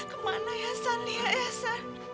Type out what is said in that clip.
kemana ya san lia ya san